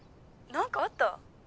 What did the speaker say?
☎何かあった？